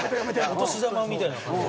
お年玉みたいな感じで。